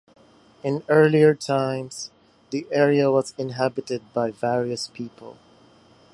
In earlier times the area was inhabited by various people.